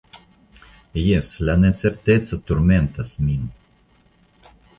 Jes, la necerteco turmentas min.